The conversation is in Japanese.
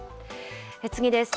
次です。